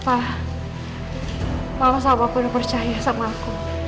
papa sama aku udah percaya sama aku